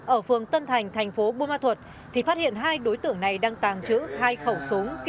ở phường tân thành tp bunma thuật phát hiện hai đối tượng này đang tàng trữ hai khẩu súng